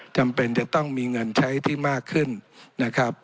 จำเป็นจะต้องมีเงินใช้ที่มากขึ้นนะครับ